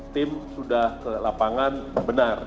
tim sudah ke lapangan benar